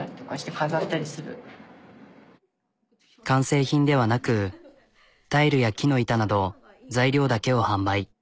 完成品ではなくタイルや木の板など材料だけを販売。